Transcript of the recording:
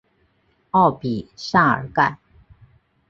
奥比萨尔盖。